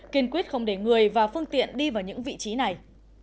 kiên quyết không để người và phương tiện đi vào những vị trí này